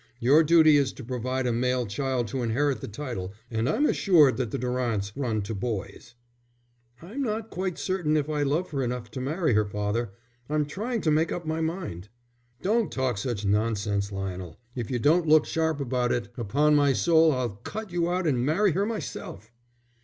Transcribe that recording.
Your duty is to provide a male child to inherit the title, and I'm assured that the Durants run to boys." "I'm not quite certain if I love her enough to marry her, father. I'm trying to make up my mind." "Don't talk such nonsense, Lionel. If you don't look sharp about it, upon my soul I'll cut you out and marry her myself."